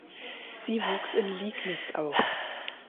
Sie wuchs in Liegnitz auf.